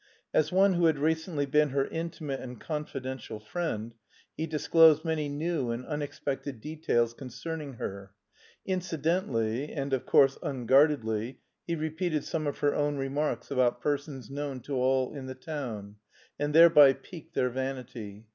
As one who had recently been her intimate and confidential friend, he disclosed many new and unexpected details concerning her; incidentally (and of course unguardedly) he repeated some of her own remarks about persons known to all in the town, and thereby piqued their vanity.